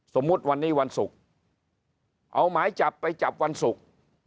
สมมุติวันนี้วันศุกร์เอาหมายจับไปจับวันศุกร์